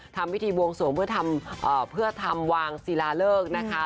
ทำพิธีบวงสวงเพื่อทำวางศิลาเลิกนะคะ